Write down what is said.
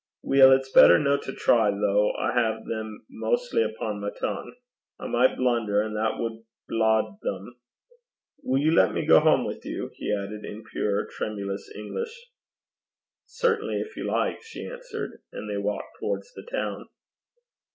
'Weel, it's better no to try, though I hae them maistly upo' my tongue: I might blunder, and that wad blaud them. Will you let me go home with you?' he added, in pure tremulous English. 'Certainly, if you like,' she answered; and they walked towards the town.